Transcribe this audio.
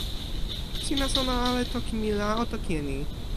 sina sona ala e toki mi la, o toki e ni.